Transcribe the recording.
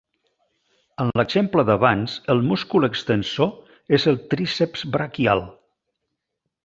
En l'exemple d'abans el múscul extensor és el tríceps braquial.